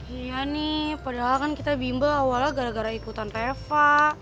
iya nih padahal kan kita bimba awalnya gara gara ikutan teva